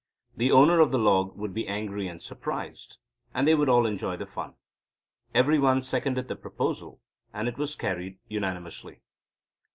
The owner of the log would be angry and surprised, and they would all enjoy the fun. Every one seconded the proposal, and it was carried unanimously.